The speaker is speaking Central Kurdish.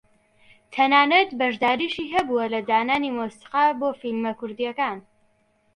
تەنانەت بەشداریشی هەبووە لە دانانی مۆسیقا بۆ فیلمە کوردییەکان